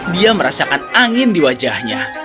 dia merasakan angin di wajahnya